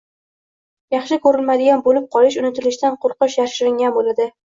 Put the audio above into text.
yaxshi ko‘rilmaydigan bo‘lib qolish, unutilishdan qo‘rqish yashiringan bo‘ladi.